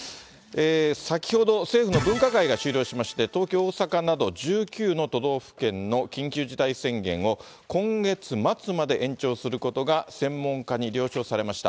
先ほど、政府の分科会が終了しまして、東京、大阪など１９の都道府県の緊急事態宣言を、今月末まで延長することが専門家に了承されました。